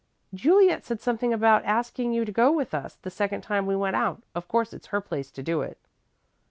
"Juliet said something about asking you to go with us the second time we went out. Of course it's her place to do it."